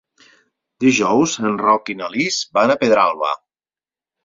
Dijous en Roc i na Lis van a Pedralba.